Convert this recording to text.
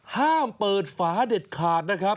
ห้ามเปิดฝาเด็ดขาดนะครับ